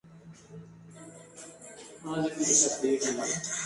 Mary's, si está preparado para escucharla.